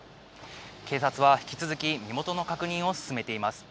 警察は引き続き、身元の確認を進めています。